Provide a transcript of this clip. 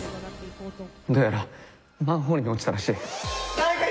どうやらマンホールに落ちたらしい。